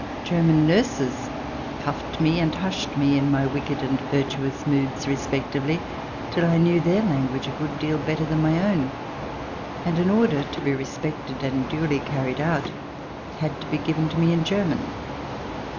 German nurses cufifed me and hushed me in my wicked and virtuous moods respectively, till I knew their language a good deal better than my own, and an order, to be respected and duly carried out, had to be given to me in German.